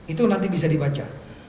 itu nanti bisa dibaca